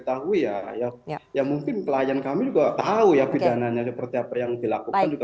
tahu ya ya mungkin klien kami juga tahu ya pidananya seperti apa yang dilakukan juga